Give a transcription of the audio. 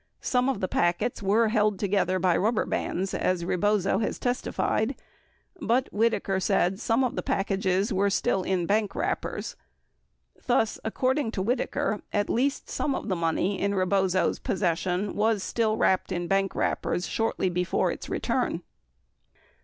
Some of the packets were held together by rubber bands, as Rebozo has testified, but, Whitaker said, some of the packages were still in bank wrappers.® Thus, according to Whitaker, at least some of the money in Rebozo's possession was still wrapped in bank wrappers shortly before its return.